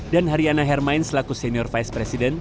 dan haryana hermain selaku senior vice president